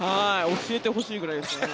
教えてほしいくらいですね。